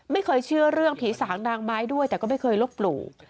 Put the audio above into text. ไม่เคยเชื่อเรื่องผีสางนางไม้ด้วยแต่ก็ไม่เคยลบหลู่